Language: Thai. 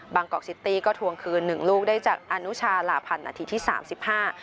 กอกซิตี้ก็ทวงคืนหนึ่งลูกได้จากอนุชาหลาพันธ์นาทีที่สามสิบห้า